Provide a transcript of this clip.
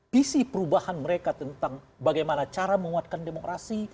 visi perubahan mereka tentang bagaimana cara menguatkan demokrasi